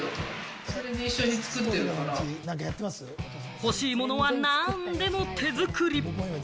欲しいものは何でも手作り。